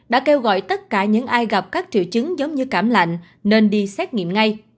đã kêu gọi tất cả những ai gặp các triệu chứng giống như cảm lạnh nên đi xét nghiệm ngay